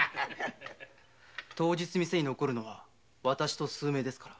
当日店に残るのはわたしと数名ですから。